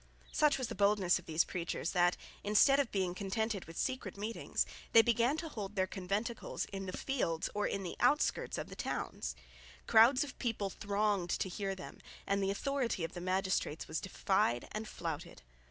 Such was the boldness of these preachers that, instead of being contented with secret meetings, they began to hold their conventicles in the fields or in the outskirts of the towns. Crowds of people thronged to hear them, and the authority of the magistrates was defied and flouted.